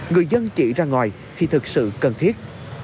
người dân chỉ ra ngoài khi thực sự cần thiết